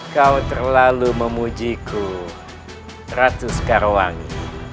kau terlalu memujiku ratu sekarwangi